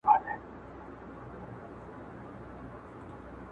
• هغوی د پېښي انځورونه اخلي,